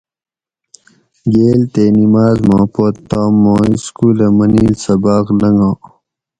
گیل تے نماز ما پت تام ما سکولہ منیل سباۤق لنگا